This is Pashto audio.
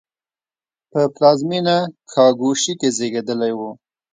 په پلازمېنه کاګوشی کې زېږېدلی و.